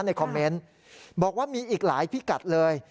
ในคอมเมนต์บอกว่ามีอีกหลายพิกัดเลย